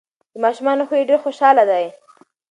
د ماشومانو خوی یې ډیر خوشحال دی.